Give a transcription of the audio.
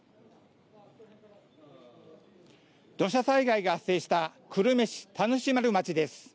土砂災害が発生した久留米市田主丸町です。